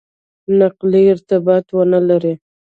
نقلي اړتیا ونه لري.